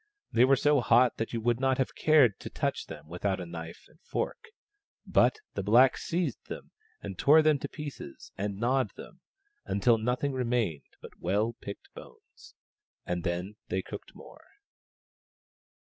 They were so hot that you would not have cared to touch them without a knife and fork ; but the blacks seized them and tore them to pieces and gnawed them, until nothing remained but well picked bones. And then they cooked more.